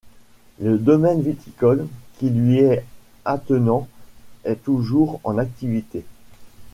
Le domaine viticole qui lui est attenant est toujours en activité.